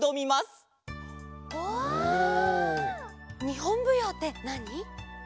日本舞踊ってなに？